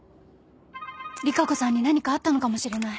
利佳子さんに何かあったのかもしれない。